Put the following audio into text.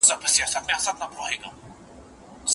ښوونکي زموږ پاڼه وړاندي کړه.